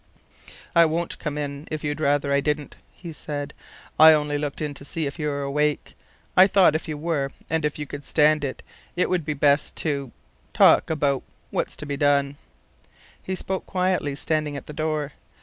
"I won't come if you'd rather I didn't," he said. "I only looked in to see if you were awake. I thought if you were, and if you could stand it, it would be best to talk about what's to be done." He spoke quietly, standing at the door.